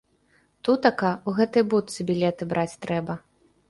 Тутака ў гэтай будцы білеты браць трэба.